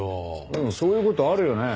でもそういう事あるよね。